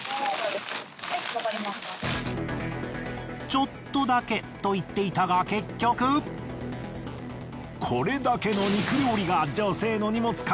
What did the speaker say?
ちょっとだけと言っていたが結局これだけの肉料理が女性の荷物から出てきた。